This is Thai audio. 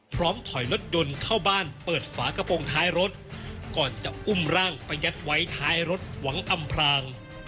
ถอยรถยนต์เข้าบ้านเปิดฝากระโปรงท้ายรถก่อนจะอุ้มร่างไปยัดไว้ท้ายรถหวังอำพราง